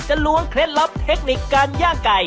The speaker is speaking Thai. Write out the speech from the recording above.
ล้วงเคล็ดลับเทคนิคการย่างไก่